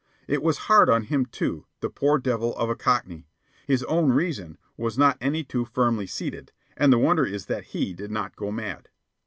It was hard on him, too, the poor devil of a Cockney. His own reason was not any too firmly seated, and the wonder is that he did not go mad.